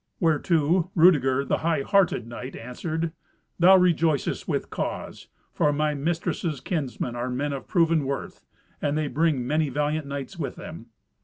Whereto Rudeger, the high hearted knight, answered, "Thou rejoicest with cause, for my mistress's kinsmen are men of proven worth, and they bring many valiant knights with them."